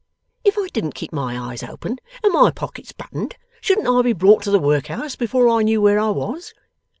If I didn't keep my eyes open, and my pockets buttoned, shouldn't I be brought to the workhouse before I knew where I was?